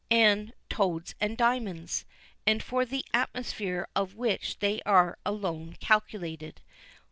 and Toads and Diamonds, and for the atmosphere of which they are alone calculated.